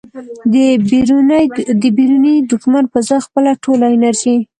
د بیروني دښمن په ځای خپله ټوله انرژي